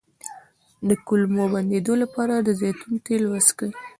د کولمو د بندیدو لپاره د زیتون تېل وڅښئ